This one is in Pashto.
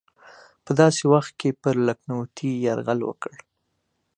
په داسې وخت کې پر لکهنوتي یرغل وکړ.